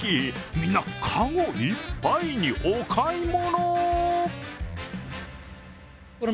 みんな籠いっぱいにお買い物！